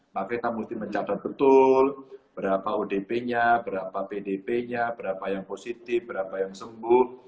maka kita mesti mencatat betul berapa odp nya berapa pdp nya berapa yang positif berapa yang sembuh